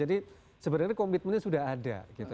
sebenarnya komitmennya sudah ada gitu